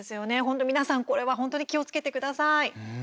本当、皆さん、これは本当に気をつけてください。